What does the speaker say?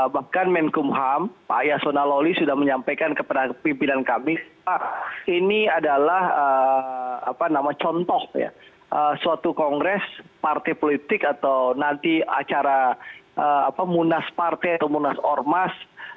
bahkan menkumham pak yasona lawli sudah menyampaikan kepada pimpinan kami pak ini adalah contoh suatu kongres partai politik atau nanti acara munas partai atau munas ormas